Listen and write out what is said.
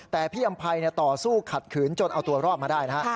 แต่พี่อำภัยต่อสู้ขัดขืนจนเอาตัวรอดมาได้นะฮะ